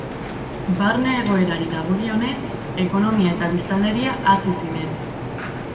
Barne egoerari dagokionez, ekonomia eta biztanleria hazi ziren.